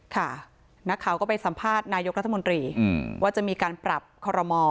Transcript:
ค่ะนักข่าวก็ไปสัมภาษณ์นายกรัฐมนตรีว่าจะมีการปรับคอรมอล